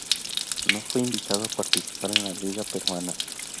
No fue invitado a participar en la Liga Peruana.